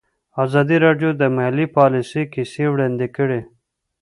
ازادي راډیو د مالي پالیسي کیسې وړاندې کړي.